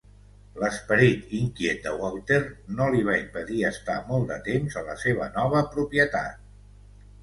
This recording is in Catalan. L'esperit inquiet de Walther no li va impedir estar molt de temps a la seva nova propietat.